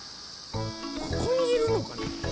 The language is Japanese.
ここにいるのかな？